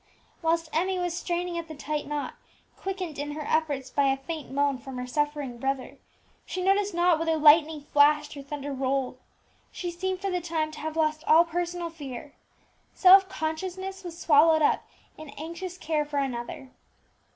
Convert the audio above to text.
Whilst Emmie was straining at the tight knot, quickened in her efforts by a faint moan from her suffering brother, she noticed not whether lightning flashed or thunder rolled; she seemed for the time to have lost all personal fear; self consciousness was swallowed up in anxious care for another.